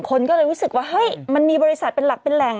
คนก็เลยรู้สึกว่าเฮ้ยมันมีบริษัทเป็นหลักเป็นแหล่ง